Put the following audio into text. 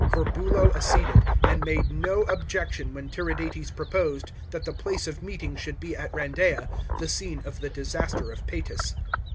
Corbulo acceded, and made no objection when Tiridates proposed that the place of meeting should be at Randeia, the scene of the disaster of Paetus.